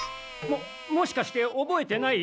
ももしかしておぼえてない？